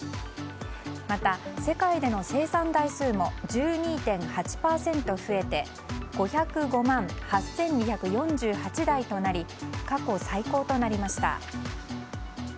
また、世界での生産台数も１２．８％増えて５０５万８２４８台となり過去最高となりました。